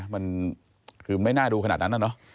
มันคือไม่น่าดูขนาดนั้นนะเนอะ